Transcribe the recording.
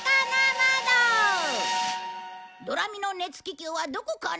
ドラミの熱気球はどこかな？